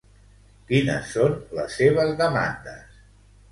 Quines són les seves demandes?